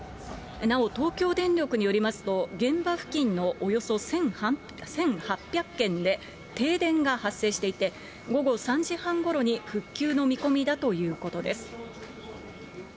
なお、東京電力によりますと、現場付近のおよそ１８００軒で停電が発生していて、午後３時半ごろに復旧の見込みだということです。